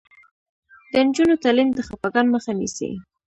د نجونو تعلیم د خپګان مخه نیسي.